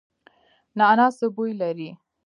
نعناع څه بوی لري؟